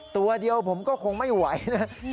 ตัวเดียวผมก็คงไม่ไหวนะ